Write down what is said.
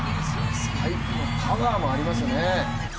スパイクのパワーもありますね。